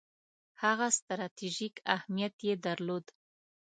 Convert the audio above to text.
هغه ستراتیژیک اهمیت یې درلود.